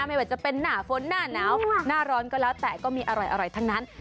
ไม่ว่าจะเป็นหน้าฝนหน้าหนาวหน้าร้อนก็แล้วแต่ก็มีอร่อยทั้งนั้น